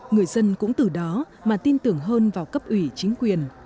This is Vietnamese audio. người dân cũng từ đó mà tin tưởng hơn vào cấp ủy chính quyền